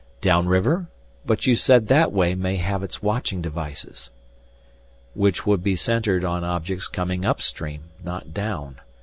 "Downriver? But you said that way may have its watching devices." "Which would be centered on objects coming upstream, not down.